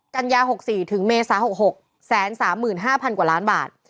กัญญา๖๔ถึงเมษา๖๖๓๕๐๐กว่าล้านบาท